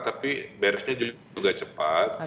tapi beresnya juga cepat